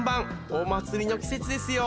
お祭りの季節ですよ！